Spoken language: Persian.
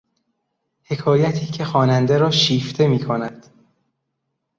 حکایتی که خواننده را شیفته میکند